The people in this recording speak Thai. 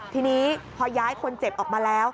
ทีนี้พอย้ายคนเจ็บออกมาแล้ว